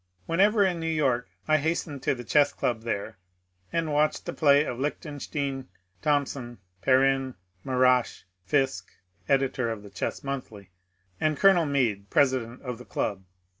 Whenever in New York I hastened to the Chess Club there, and watched the play of Lichtenstein, Thompson, Perrin, Marache, Fiske (editor of the " Chess Monthly "), and Colonel Mead, president of the club.